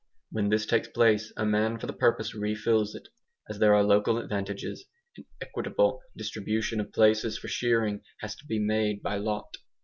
When this takes place, a man for the purpose refills it. As there are local advantages, an equitable distribution of places for shearing has to be made by lot.